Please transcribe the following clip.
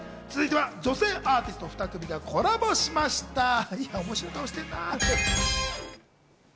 続いては女性アーティスト２組がコラボしました。